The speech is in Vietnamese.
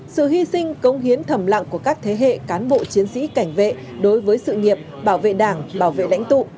sự hy sinh công hiến thầm lặng của các thế hệ cán bộ chiến sĩ cảnh vệ đối với sự nghiệp bảo vệ đảng bảo vệ lãnh tụ